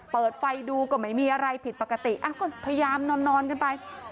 เปิดไฟดูก็ไม่มีอะไรผิดปกติก็พยายามนอนกันไป